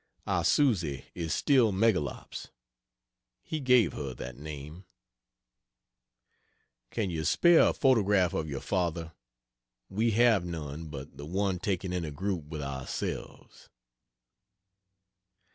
Our Susie is still "Megalops." He gave her that name: Can you spare a photograph of your father? We have none but the one taken in a group with ourselves.